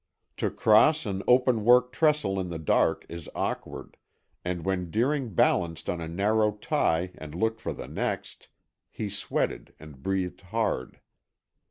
To cross an open work trestle in the dark is awkward, and when Deering balanced on a narrow tie and looked for the next, he sweated and breathed hard.